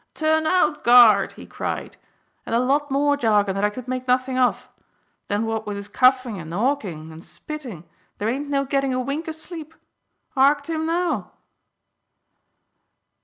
'Turn out, guard!' he cried, and a lot more jargon that I could make nothing of. Then what with his coughin' and 'awkin' and spittin', there ain't no gettin' a wink o' sleep. Hark to him now!"